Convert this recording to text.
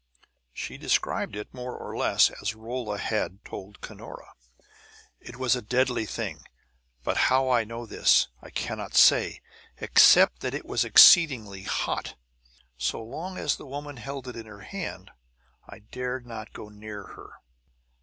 She described it more or less as Rolla had told Cunora. "It was a deadly thing; but how I know this, I cannot say, except that it was exceedingly hot. So long as the woman held it in her hand, I dared not go near her.